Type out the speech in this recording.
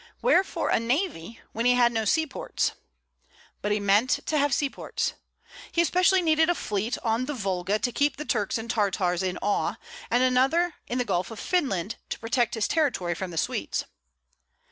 Wherefore a navy, when he had no seaports? But he meant to have seaports. He especially needed a fleet on the Volga to keep the Turks and Tartars in awe, and another in the Gulf of Finland to protect his territories from the Swedes.